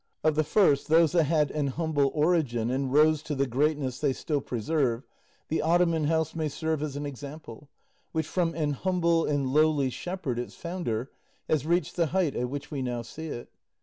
Of the first, those that had an humble origin and rose to the greatness they still preserve, the Ottoman house may serve as an example, which from an humble and lowly shepherd, its founder, has reached the height at which we now see it.